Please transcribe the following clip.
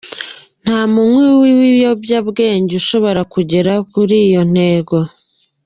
Nta munywi w’ibiyobyabwenge ushobora kugera kuri iyo ntego.